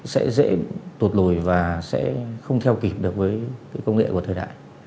sẽ dễ tụt lùi và sẽ không theo kịp được với công nghệ của thời đại